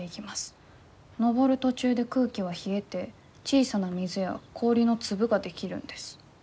のぼる途中で空気は冷えて小さな水や氷のつぶができるんです」。